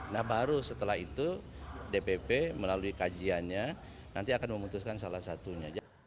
nah baru setelah itu dpp melalui kajiannya nanti akan memutuskan salah satunya